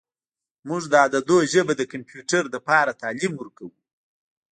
موږ د عددونو ژبه د کمپیوټر لپاره تعلیم ورکوو.